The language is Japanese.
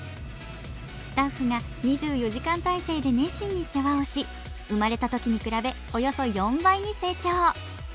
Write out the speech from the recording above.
スタッフが２４時間体制で熱心に世話をし生まれたときに比べ、およそ４倍に成長。